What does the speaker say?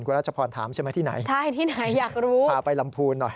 คุณราชพรถามใช่ไหมที่ไหนพาไปลำพูนหน่อยใช่ที่ไหนอยากรู้